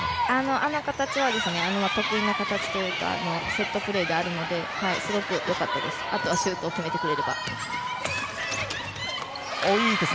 あの形は得意な形というかセットプレーであるのですごくよかったです。